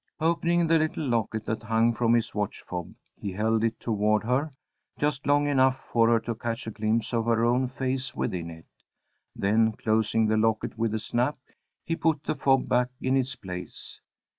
Opening the little locket that hung from his watch fob, he held it toward her, just long enough for her to catch a glimpse of her own face within it. Then, closing the locket with a snap, he put the fob back in its place.